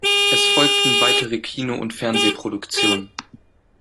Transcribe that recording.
Es folgten weitere Kino- und Fernsehproduktionen.